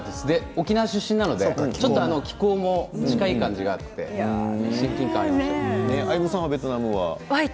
沖縄出身なのでちょっと気候も近い感じがあって親近感、ありました。